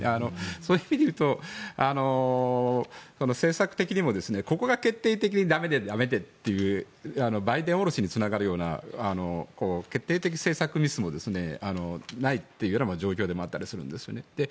そういう意味でいうと政策的にもここが決定的にだめでというバイデン降ろしにつながるような決定的政策ミスもないというのも状況であったりすると思うんです。